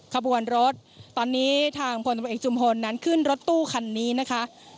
ขบวนรถตอนนี้ทางพลตำรวจเอกจุมพลนั้นขึ้นรถตู้คันนี้นะคะ